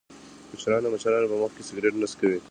کشران د مشرانو په مخ کې سګرټ نه څکوي.